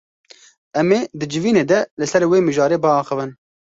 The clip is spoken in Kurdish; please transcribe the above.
Em ê di civînê de li ser wê mijarê biaxivin.